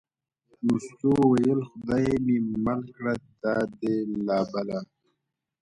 مستو وویل: خدای مې مېل کړه دا دې لا بله.